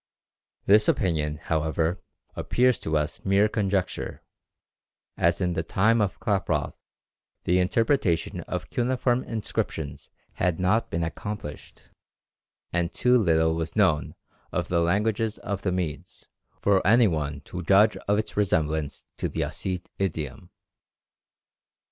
This opinion, however, appears to us mere conjecture, as in the time of Klaproth the interpretation of cuneiform inscriptions had not been accomplished, and too little was known of the language of the Medes for any one to judge of its resemblance to the Ossete idiom.